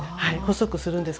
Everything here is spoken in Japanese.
細くするんです。